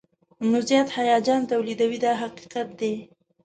نو زیات هیجان تولیدوي دا حقیقت دی.